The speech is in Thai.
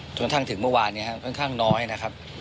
ส่วนทางถึงเมื่อวานเนี่ยครับค่อนข้างน้อยนะครับ